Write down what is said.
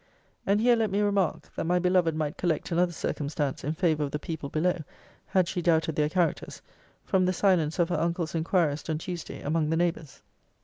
And here let me remark, that my beloved might collect another circumstance in favour of the people below, had she doubted their characters, from the silence of her uncle's inquirist on Tuesday among the neighbours.